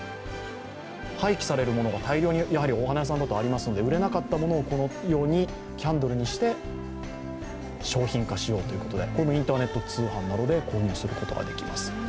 廃棄されるものが大量に、お花屋さんだとありますので売れなかったものをこのようにキャンドルにして、商品化しようということで、これもインターネット通販などで購入することができます。